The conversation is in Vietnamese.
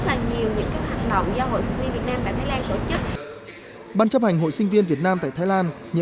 những các hoạt động do hội sinh viên việt nam tại thái lan tổ chức